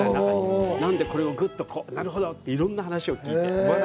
なのでぐっと、なるほど、いろんな話を聞いて。